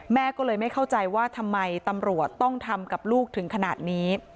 แม่ก็เลยไม่เข้าใจว่าทำไมตำรวจต้องทำกับลูกถึงขนาดนี้